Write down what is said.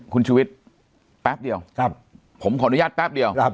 คุณชุวิตแป๊บเดียวผมขออนุญาตแป๊บเดียว